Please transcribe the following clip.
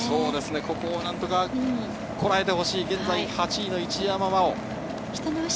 ここを何とかこらえてほしい現在８位の一山麻緒。